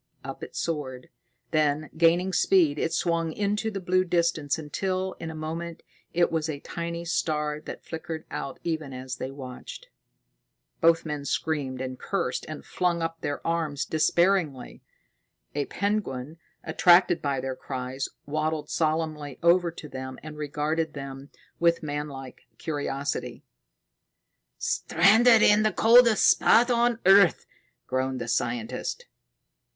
Up it soared; then, gaining speed, it swung into the blue distance until, in a moment, it was a tiny star that flickered out even as they watched. Both men screamed and cursed and flung up their arms despairingly. A penguin, attracted by their cries, waddled solemnly over to them and regarded them with manlike curiosity. "Stranded in the coldest spot on earth!" groaned the scientist.